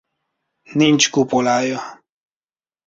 Nincs kupolája.